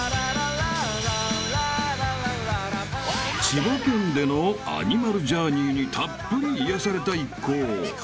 ［千葉県でのアニマルジャーニーにたっぷり癒やされた一行］